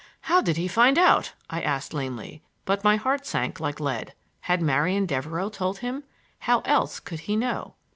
"How did he find out?" I asked lamely, but my heart sank like lead. Had Marian Devereux told him! How else could he know?